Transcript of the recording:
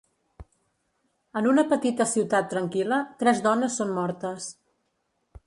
En una petita ciutat tranquil·la, tres dones són mortes.